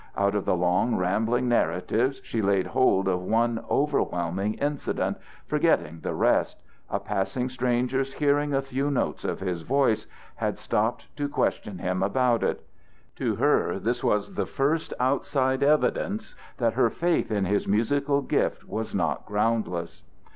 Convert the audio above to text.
Out of the long, rambling narrative she laid hold of one overwhelming incident, forgetting the rest: a passing stranger, hearing a few notes of his voice, had stopped to question him about it. To her this was the first outside evidence that her faith in his musical gift was not groundless.